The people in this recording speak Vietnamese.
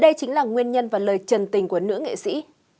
đây chính là nguyên nhân và lời trần tình của nữ nghệ sĩ